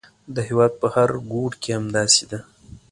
د هېواد په هر ګوټ کې همداسې ده.